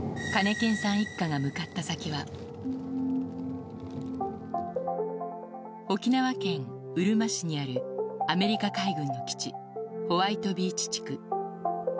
カネケンさん一家が向かった先は沖縄県うるま市にあるアメリカ海軍の基地ホワイトビーチ地区。